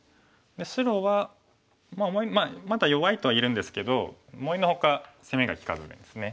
白はまだ弱いとは言えるんですけど思いの外攻めが利かずにですね。